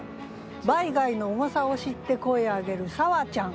「バイ貝の重さを知って声上げるさわちゃん」。